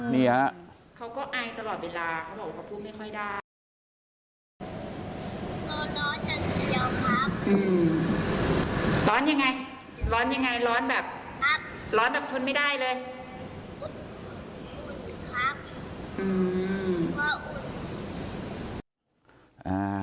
เขาก็อายตลอดเวลาเขาบอกว่าพูดไม่ค่อยได้